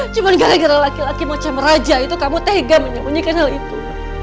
cuma gara gara laki laki mau cemer raja itu kamu tega menyembunyikan hal itu